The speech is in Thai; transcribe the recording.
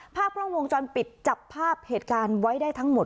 ภาพกล้องวงจรปิดจับภาพเหตุการณ์ไว้ได้ทั้งหมด